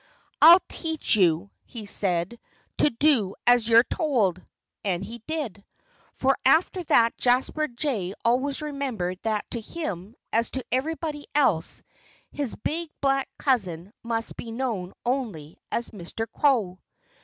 "I'll teach you," he said, "to do as you're told!" And he did. For after that Jasper Jay always remembered that to him, as to everybody else, his big black cousin must be known only as "Mr. Crow."